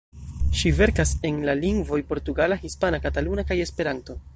Ŝi verkas en la lingvoj portugala, hispana, kataluna kaj Esperanto.